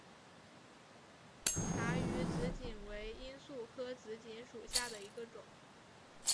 察隅紫堇为罂粟科紫堇属下的一个种。